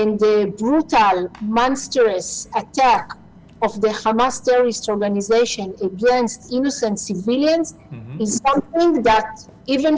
นี่ไม่ใช่สิ่งที่เราอยากให้แต่เมื่อธรรมศักดิ์ธรรมศักดิ์ของคำมัสกัดขึ้น